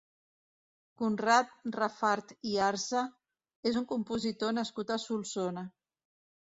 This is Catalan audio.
Conrad Rafart i Arza és un compositor nascut a Solsona.